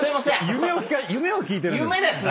夢を聞いてるんです。